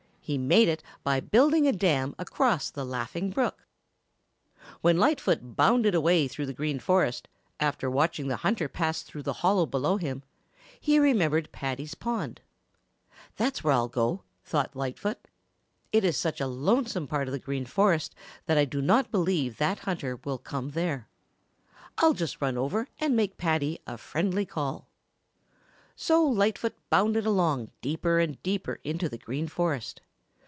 He made it by building a dam across the Laughing Brook. When Lightfoot bounded away through the Green Forest, after watching the hunter pass through the hollow below him, he remembered Paddy's pond. "That's where I'll go," thought Lightfoot. "It is such a lonesome part of the Green Forest that I do not believe that hunter will come there. I'll just run over and make Paddy a friendly call." So Lightfoot bounded along deeper and deeper into the Green Forest.